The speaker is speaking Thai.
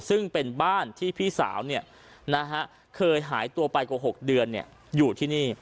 ซึ่งเป็นบ้านที่พี่สาวเคยหายตัวไปกว่า๖เดือนอยู่ที่นี่